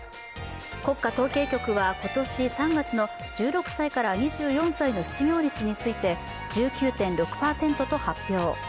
国家統計局は今年３月の１６歳から２４歳の失業率について１９．６％と発表。